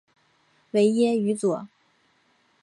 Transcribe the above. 维耶于佐。